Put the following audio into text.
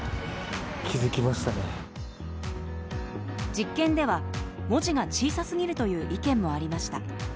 実験では文字が小さすぎるという意見もありました。